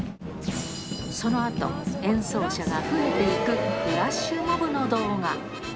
そのあと、演奏者が増えていくフラッシュモブの動画。